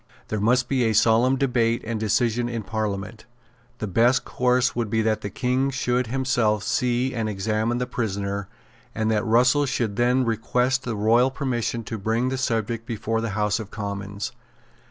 There must be a solemn debate and decision in Parliament. The best course would be that the King should himself see and examine the prisoner, and that Russell should then request the royal permission to bring the subject before the House of Commons.